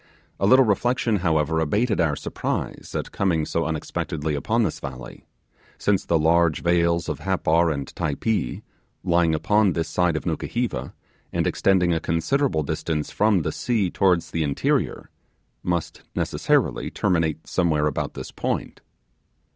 A little reflection, however, abated our surprise at coming so unexpectedly upon this valley, since the large vales of Happar and Typee, lying upon this side of Nukuheva, and extending a considerable distance from the sea towards the interior, must necessarily terminate somewhere about this point.